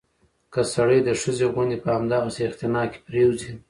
که سړى د ښځې غوندې په همدغسې اختناق کې پرېوځي